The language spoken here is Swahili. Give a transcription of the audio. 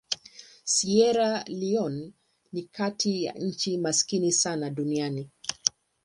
Sierra Leone ni kati ya nchi maskini sana duniani.